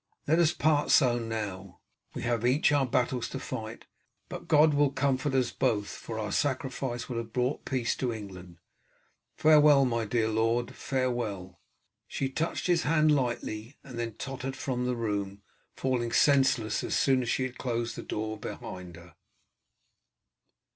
Let us part so now. We have each our battles to fight, but God will comfort us both, for our sacrifice will have brought peace to England. Farewell, my dear lord, farewell!" She touched his hand lightly and then tottered from the room, falling senseless as soon as she had closed the door behind her.